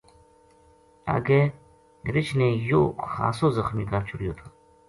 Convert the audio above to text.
اگے رچھ نے یو خاصو زخمی کر چھڑیو تھو